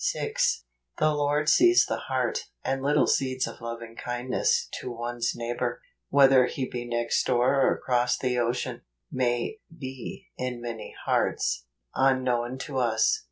JUXE. 64 6. The Lord sees the heart; and little seeds of loving kindness to one's neighbor, whether he be next door or across the ocean, may be in many hearts, unknown to us.